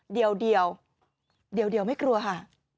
เดี๋ยวเดี๋ยวไม่กลัวค่ะ